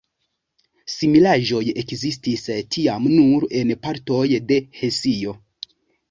Similaĵoj ekzistis tiam nur en partoj de Hesio.